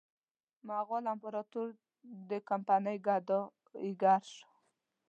مغول امپراطور د کمپنۍ ګدایي ګر شو.